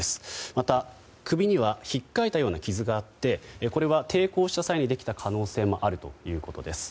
また、首にはひっかいたような傷があってこれは抵抗した際にできた可能性もあるということです。